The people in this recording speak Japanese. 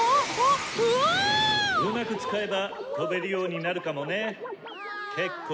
うまく使えば飛べるようになるかもね。